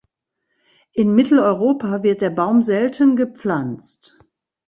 In Mitteleuropa wird der Baum selten gepflanzt.